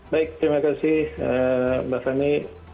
baik terima kasih mbak fani